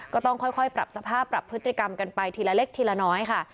ก็ต้องค่อยปรับสภาพปรับพฤติกรรมกันไปทีละเล็กทีละน้อยค่ะ